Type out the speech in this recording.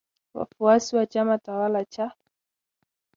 wafuasi wa chama tawala cha